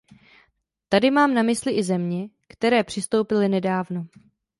Tady mám na mysli i země, které přistoupily nedávno.